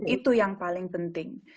itu yang paling penting